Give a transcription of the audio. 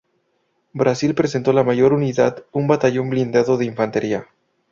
Brasil presentó la mayor unidad, un batallón blindado de infantería.